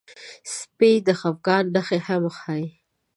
سپي د خپګان نښې هم ښيي.